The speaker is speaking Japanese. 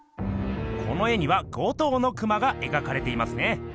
この絵には５頭のクマが描かれていますね。